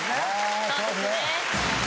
そうですね。